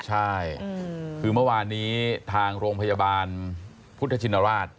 ใช่คือเมื่อวานนี้ทางโรงพยาบาลพุทธชินราช